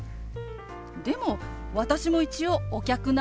でも私も一応お客なんですけど。